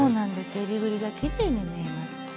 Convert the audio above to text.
えりぐりがきれいに縫えます。